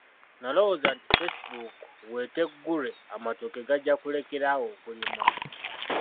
Nalowooza nti facebook bweteggulwe amatooke gajja kulekera awo okulimwa.